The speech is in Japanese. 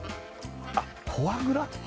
あっフォアグラ？